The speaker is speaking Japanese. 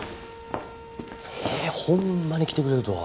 えっほんまに来てくれるとは。